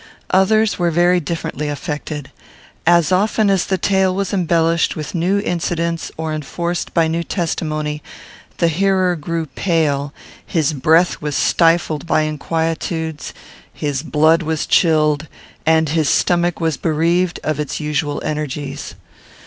Others were very differently affected. As often as the tale was embellished with new incidents or enforced by new testimony, the hearer grew pale, his breath was stifled by inquietudes, his blood was chilled, and his stomach was bereaved of its usual energies.